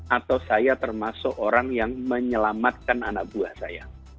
atau saya termasuk orang yang menyelamatkan anak buah saya